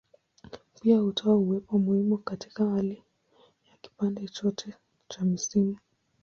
Pia hutoa uwepo muhimu katika hali ya kipande chote cha misimu.